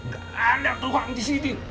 gak ada tukang disini